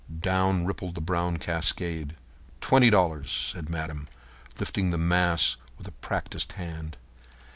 Down rippled the brown cascade. "Twenty dollars," said Madame, lifting the mass with a practised hand.